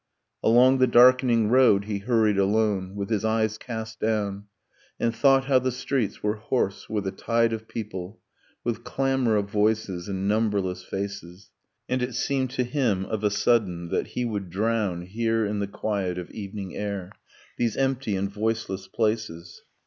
Along the darkening road he hurried alone, With his eyes cast down, And thought how the streets were hoarse with a tide of people, With clamor of voices, and numberless faces ... And it seemed to him, of a sudden, that he would drown Here in the quiet of evening air, These empty and voiceless places